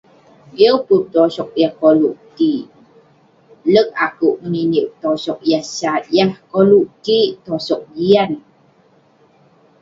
Yeng pun tosog yah koluk kik. Lerk akouk ngeninik tosog yah sat. Yah koluk kik tosog jian.